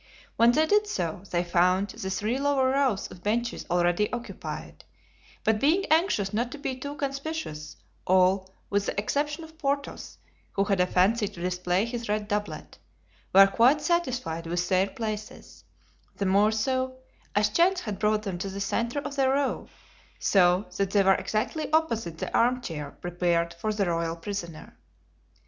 When they did so they found the three lower rows of benches already occupied; but being anxious not to be too conspicuous, all, with the exception of Porthos, who had a fancy to display his red doublet, were quite satisfied with their places, the more so as chance had brought them to the centre of their row, so that they were exactly opposite the arm chair prepared for the royal prisoner.